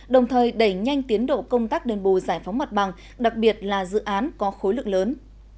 đồng thời đẩy nhanh tiến độ công tác đền bù giải phóng mặt bằng đặc biệt là dự án có khối lượng lớn